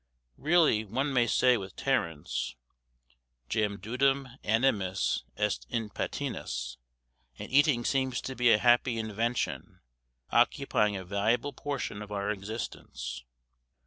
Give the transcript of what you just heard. Really, one may say with Terence, "jamdudum animus est in patinis," and eating seems to be a happy invention, occupying a valuable portion of our existence.